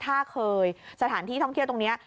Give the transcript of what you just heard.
ถ้าเคยสถานที่ท่องเที่ยวตรงนี้